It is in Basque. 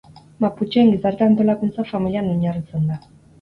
Maputxeen gizarte antolakuntza familian oinarritzen da.